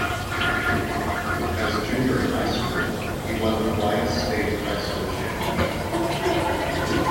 As a junior in high school, he won the Hawaii State High School Championship.